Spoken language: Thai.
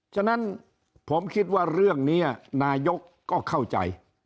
ฉะนั้นผมคิดว่าเรื่องนี้นายกก็เข้าใจ